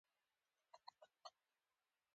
د مرجان رنګونه ډیر ښکلي دي